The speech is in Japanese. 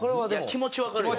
気持ちはわかるよ。